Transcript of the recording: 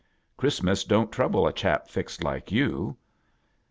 ChristouU dpn't trouble a chajp. fixed like yoU.